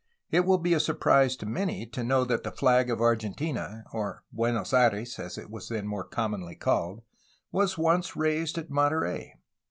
It will be a surprise to many to know that the flag of Argentina — or Buenos Aires as it was then more commonly called — ^was once raised at Monterey.